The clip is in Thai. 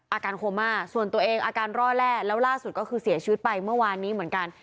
อาการโคม่าส่วนตัวเองอาการร่อแร่แล้วล่าสุดก็คือเสียชีวิตไปเมื่อวานนี้เหมือนกัน